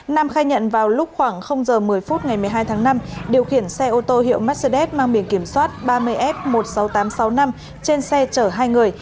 nam khai nhận vào lúc khoảng giờ một mươi phút ngày một mươi hai tháng năm điều khiển xe ô tô hiệu mercedes mang biển kiểm soát ba mươi f một mươi sáu nghìn tám trăm sáu mươi năm trên xe chở hai người